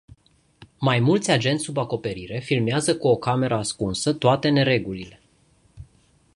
Mai mulți agenți sub acoperire filmează cu o cameră ascunsă, toate neregulile.